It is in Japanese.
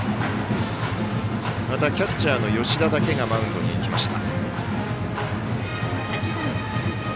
キャッチャーの吉田だけがマウンドに行きました。